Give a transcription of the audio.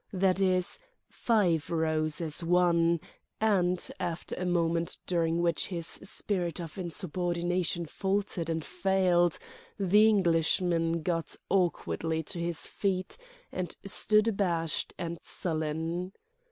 That is, five rose as one; and, after a moment during which his spirit of insubordination faltered and failed, the Englishman got awkwardly to his feet and stood abashed and sullen.